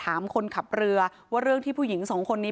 แต่คุณผู้ชมค่ะตำรวจก็ไม่ได้จบแค่ผู้หญิงสองคนนี้